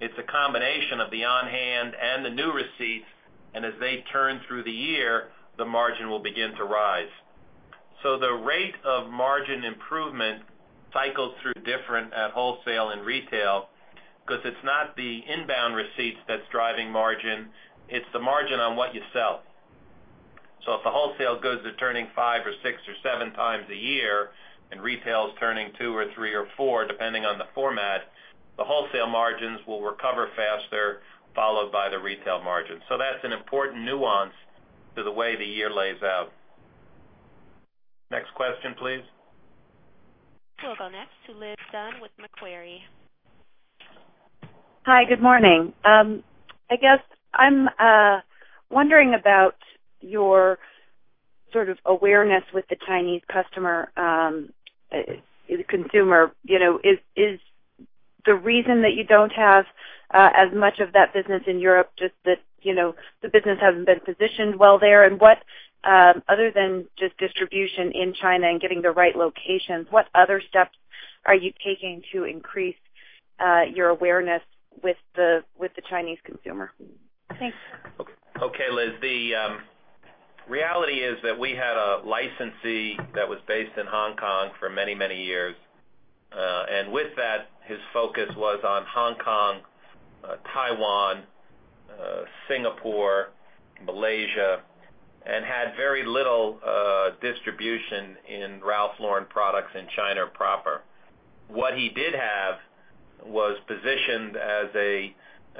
it's a combination of the on-hand and the new receipts, and as they turn through the year, the margin will begin to rise. The rate of margin improvement cycles through different at wholesale and retail, because it's not the inbound receipts that's driving margin, it's the margin on what you sell. If the wholesale goods are turning five or six or seven times a year and retail is turning two or three or four, depending on the format, the wholesale margins will recover faster, followed by the retail margin. That's an important nuance to the way the year lays out. Next question, please. We'll go next to Liz Dunn with Macquarie. Hi, good morning. I guess I'm wondering about your sort of awareness with the Chinese customer, consumer. Is the reason that you don't have as much of that business in Europe, just that the business hasn't been positioned well there? Other than just distribution in China and getting the right locations, what other steps are you taking to increase your awareness with the Chinese consumer? Thanks. Okay, Liz. The reality is that we had a licensee that was based in Hong Kong for many, many years. With that, his focus was on Hong Kong, Taiwan, Singapore, Malaysia, and had very little distribution in Ralph Lauren products in China proper. What he did have was positioned as a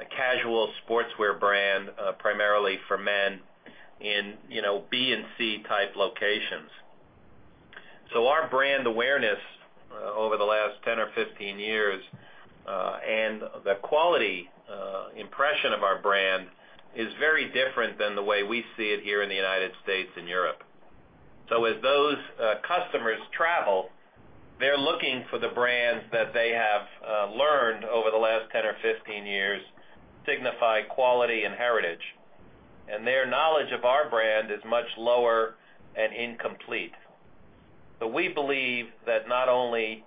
casual sportswear brand, primarily for men in B and C type locations. Our brand awareness over the last 10 or 15 years, and the quality impression of our brand is very different than the way we see it here in the U.S. and Europe. As those customers travel, they're looking for the brands that they have learned over the last 10 or 15 years signify quality and heritage. Their knowledge of our brand is much lower and incomplete. We believe that not only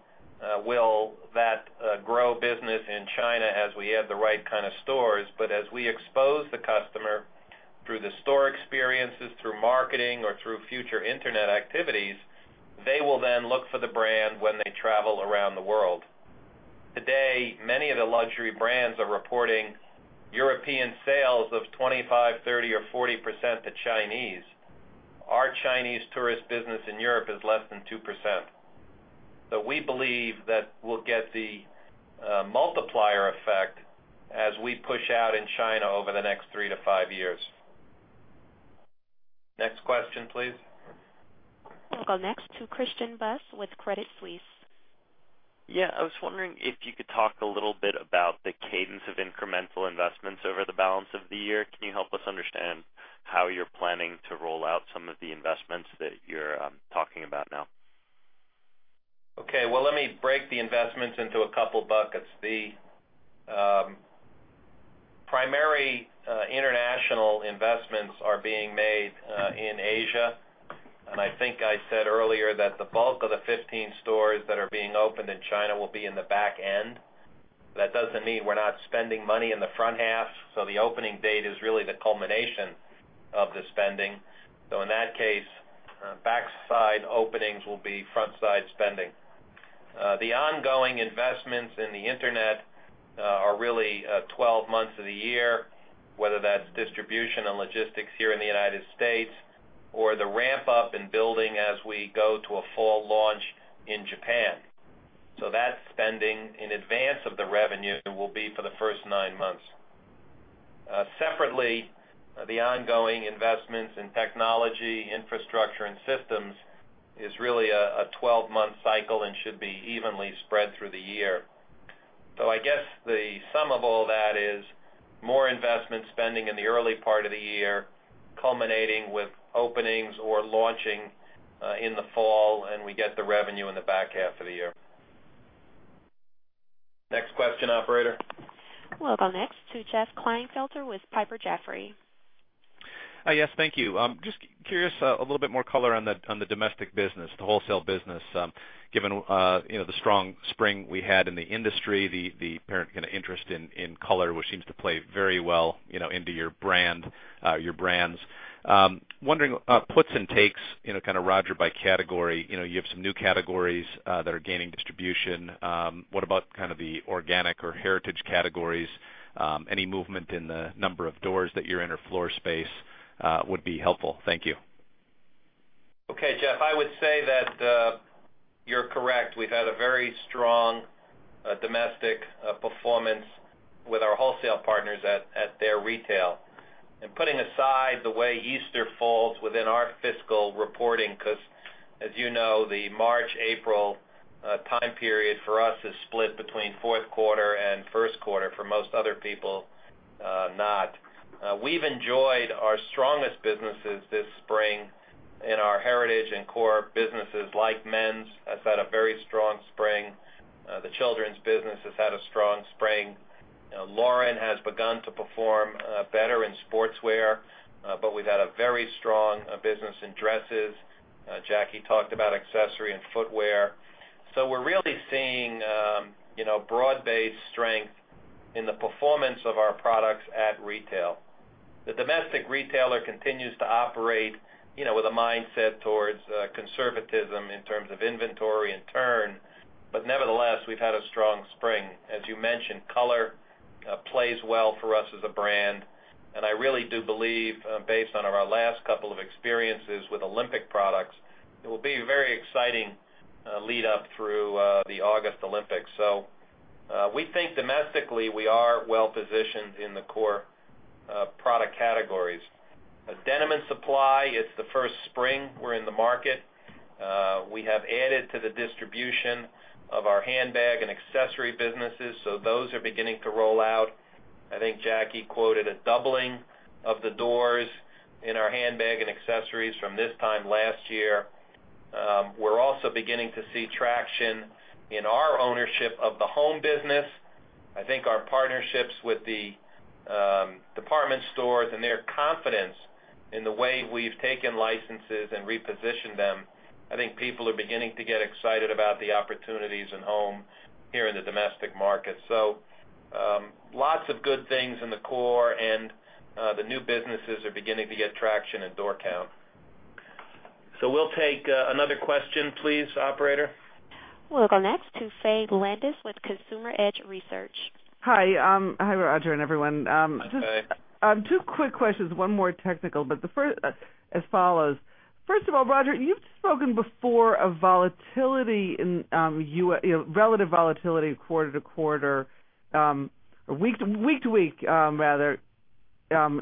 will that grow business in China as we add the right kind of stores, but as we expose the customer through the store experiences, through marketing, or through future internet activities, they will then look for the brand when they travel around the world. Today, many of the luxury brands are reporting European sales of 25%, 30% or 40% to Chinese. Our Chinese tourist business in Europe is less than 2%. We believe that we'll get the multiplier effect as we push out in China over the next three to five years. Next question, please. We'll go next to Christian Buss with Credit Suisse. I was wondering if you could talk a little bit about the cadence of incremental investments over the balance of the year. Can you help us understand how you're planning to roll out some of the investments that you're talking about now? Okay. Well, let me break the investments into a couple buckets. The primary international investments are being made in Asia. I think I said earlier that the bulk of the 15 stores that are being opened in China will be in the back end. That doesn't mean we're not spending money in the front half. The opening date is really the culmination of the spending. In that case, backside openings will be frontside spending. The ongoing investments in the internet are really 12 months of the year, whether that's distribution and logistics here in the United States or the ramp-up in building as we go to a full launch in Japan. That spending in advance of the revenue will be for the first nine months. Separately, the ongoing investments in technology, infrastructure, and systems is really a 12-month cycle and should be evenly spread through the year. I guess the sum of all that is more investment spending in the early part of the year, culminating with openings or launching in the fall, and we get the revenue in the back half of the year. Next question, operator. We'll go next to Jeff Klinefelter with Piper Jaffray. Yes. Thank you. Just curious, a little bit more color on the domestic business, the wholesale business. Given the strong spring we had in the industry, the apparent kind of interest in color, which seems to play very well into your brands. Wondering puts and takes, kind of, Roger, by category. You have some new categories that are gaining distribution. What about kind of the organic or heritage categories? Any movement in the number of doors that you're in or floor space would be helpful. Thank you. Okay, Jeff, I would say that you're correct. We've had a very strong domestic performance with our wholesale partners at their retail. Putting aside the way Easter falls within our fiscal reporting, because as you know, the March, April time period for us is split between fourth quarter and first quarter, for most other people, not. We've enjoyed our strongest businesses this spring in our heritage and core businesses like men's has had a very strong spring. The children's business has had a strong spring. Lauren has begun to perform better in sportswear, but we've had a very strong business in dresses. Jackie talked about accessory and footwear. We're really seeing broad-based strength in the performance of our products at retail. The domestic retailer continues to operate with a mindset towards conservatism in terms of inventory and turn. Nevertheless, we've had a strong spring. As you mentioned, color plays well for us as a brand, and I really do believe, based on our last couple of experiences with Olympic products, it will be very exciting Lead up through the August Olympics. We think domestically we are well positioned in the core product categories. Denim & Supply, it's the first spring we're in the market. We have added to the distribution of our handbag and accessory businesses. Those are beginning to roll out. I think Jackie quoted a doubling of the doors in our handbag and accessories from this time last year. We're also beginning to see traction in our ownership of the home business. I think our partnerships with the department stores and their confidence in the way we've taken licenses and repositioned them, I think people are beginning to get excited about the opportunities in home here in the domestic market. Lots of good things in the core and the new businesses are beginning to get traction in door count. We'll take another question please, operator. We'll go next to Faye Landes with Consumer Edge Research. Hi, Roger and everyone. Hi, Faye. Two quick questions, one more technical, but the first as follows. First of all, Roger, you've spoken before of relative volatility quarter to quarter, or week to week, rather,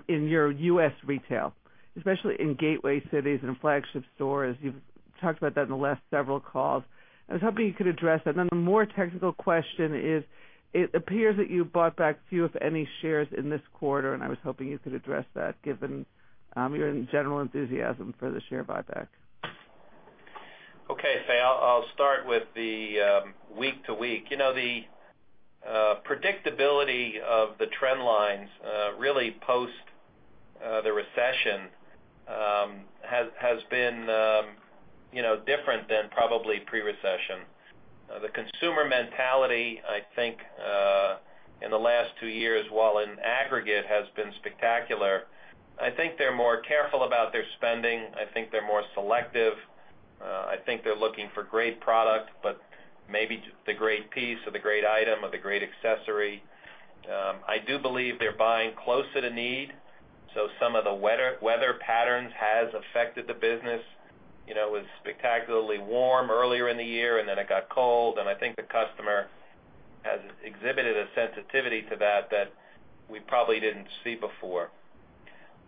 in your U.S. retail, especially in gateway cities and flagship stores. You've talked about that in the last several calls. I was hoping you could address that. The more technical question is, it appears that you bought back few, if any, shares in this quarter, and I was hoping you could address that given your general enthusiasm for the share buyback. Okay, Faye, I'll start with the week to week. The predictability of the trend lines really post the recession has been different than probably pre-recession. The consumer mentality, I think, in the last two years, while in aggregate has been spectacular, I think they're more careful about their spending. I think they're more selective. I think they're looking for great product, but maybe the great piece or the great item or the great accessory. I do believe they're buying closer to need, some of the weather patterns has affected the business. It was spectacularly warm earlier in the year, it got cold, and I think the customer has exhibited a sensitivity to that that we probably didn't see before.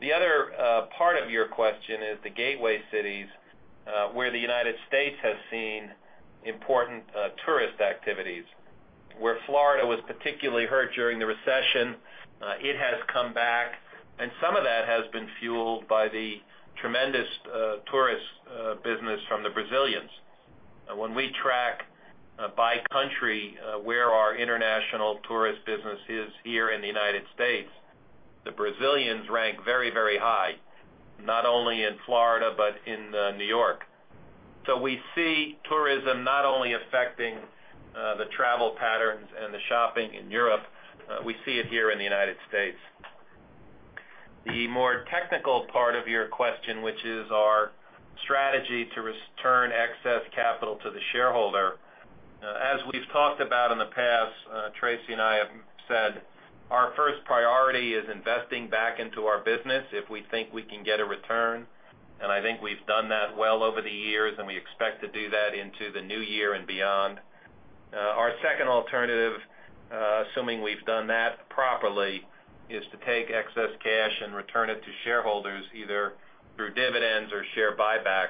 The other part of your question is the gateway cities where the United States has seen important tourist activities. Where Florida was particularly hurt during the recession, it has come back, and some of that has been fueled by the tremendous tourist business from the Brazilians. When we track by country where our international tourist business is here in the United States, the Brazilians rank very high, not only in Florida, but in New York. We see tourism not only affecting the travel patterns and the shopping in Europe, we see it here in the United States. The more technical part of your question, which is our strategy to return excess capital to the shareholder. As we've talked about in the past, Tracey and I have said our first priority is investing back into our business if we think we can get a return. I think we've done that well over the years, and we expect to do that into the new year and beyond. Our second alternative, assuming we've done that properly, is to take excess cash and return it to shareholders, either through dividends or share buyback.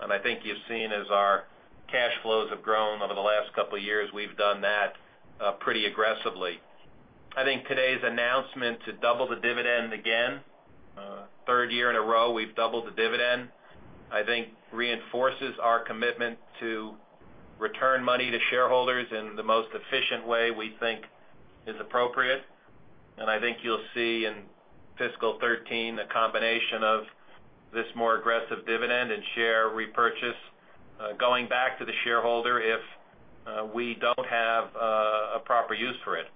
I think you've seen as our cash flows have grown over the last couple of years, we've done that pretty aggressively. I think today's announcement to double the dividend again, third year in a row we've doubled the dividend, I think reinforces our commitment to return money to shareholders in the most efficient way we think is appropriate. I think you'll see in fiscal 2013 a combination of this more aggressive dividend and share repurchase going back to the shareholder if we don't have a proper use for it.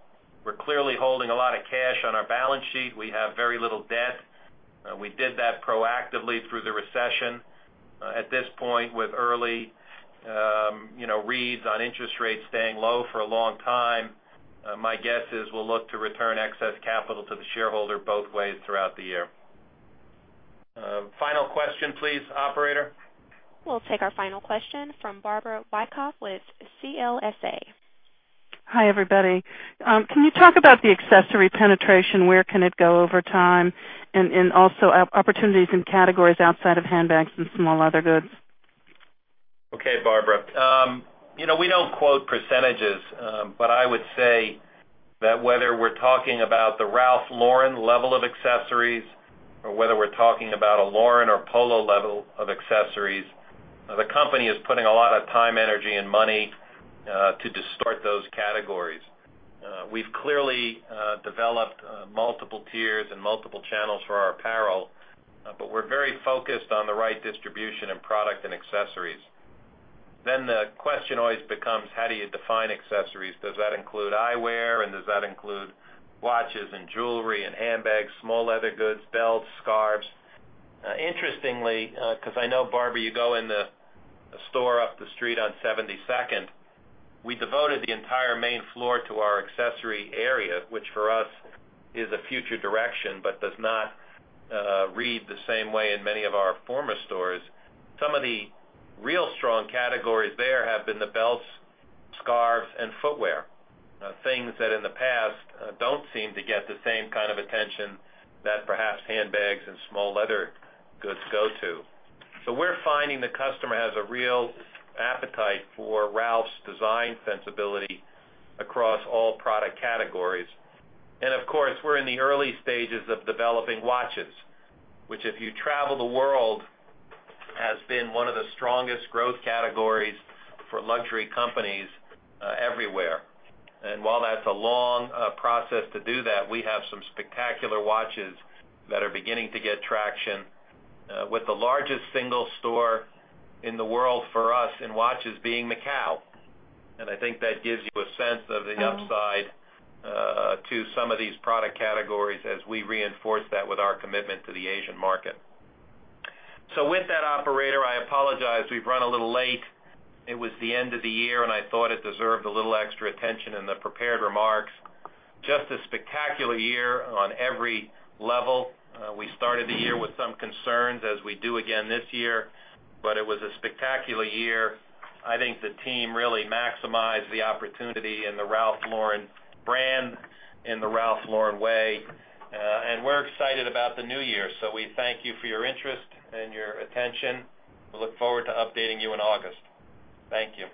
We're clearly holding a lot of cash on our balance sheet. We have very little debt. We did that proactively through the recession. At this point with early reads on interest rates staying low for a long time, my guess is we'll look to return excess capital to the shareholder both ways throughout the year. Final question, please, operator. We'll take our final question from Barbara Wyckoff with CLSA. Hi, everybody. Can you talk about the accessory penetration? Where can it go over time? Also opportunities in categories outside of handbags and small leather goods. Okay, Barbara. We don't quote %, but I would say that whether we're talking about the Ralph Lauren level of accessories or whether we're talking about a Lauren or Polo level of accessories, the company is putting a lot of time, energy, and money to distort those categories. We've clearly developed multiple tiers and multiple channels for our apparel, but we're very focused on the right distribution and product and accessories. The question always becomes, how do you define accessories? Does that include eyewear, does that include watches and jewelry and handbags, small leather goods, belts, scarves? Interestingly, because I know Barbara, you go in the store up the street on 72nd, we devoted the entire main floor to our accessory area, which for us is a future direction, but does not read the same way in many of our former stores. Some of the real strong categories there have been the belts, scarves, and footwear. Things that in the past don't seem to get the same kind of attention that perhaps handbags and small leather goods go to. We're finding the customer has a real appetite for Ralph's design sensibility across all product categories. Of course, we're in the early stages of developing watches, which if you travel the world, has been one of the strongest growth categories for luxury companies everywhere. While that's a long process to do that, we have some spectacular watches that are beginning to get traction with the largest single store in the world for us in watches being Macau. I think that gives you a sense of the upside to some of these product categories as we reinforce that with our commitment to the Asian market. With that operator, I apologize. We've run a little late. It was the end of the year, and I thought it deserved a little extra attention in the prepared remarks. Just a spectacular year on every level. We started the year with some concerns as we do again this year, but it was a spectacular year. I think the team really maximized the opportunity in the Ralph Lauren brand in the Ralph Lauren way. We're excited about the new year. We thank you for your interest and your attention. We look forward to updating you in August. Thank you.